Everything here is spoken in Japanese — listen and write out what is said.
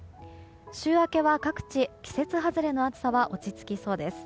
週明けは各地、季節外れの暑さは落ち着きそうです。